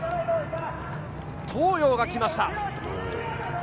東洋が来ました。